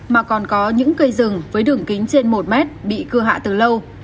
mà còn có những cây rừng với đường kính trên một mét bị cưa hạ từ lâu